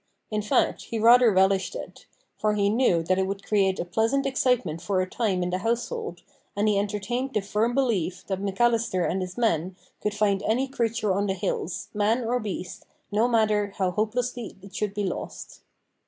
In fact, he rather relished it; for he knew that it would create a pleasant excitement for a time in the household, and he entertained the firm belief that McAllister and his men could find any creature on the hills, man or beast, no matter how hopelessly it should be lost.